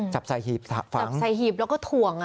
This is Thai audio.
จับใส่หีบฝังใส่หีบแล้วก็ถ่วง